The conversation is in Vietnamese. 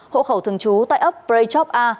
hộ khẩu thường trú tại ấp prey chop a